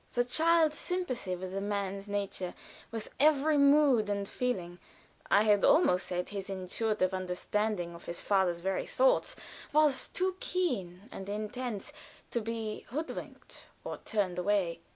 The child's sympathy with the man's nature, with every mood and feeling I had almost said his intuitive understanding of his father's very thoughts, was too keen and intense to be hoodwinked or turned aside.